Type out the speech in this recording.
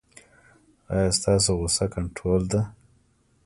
ایا ستاسو غوسه کنټرول ده؟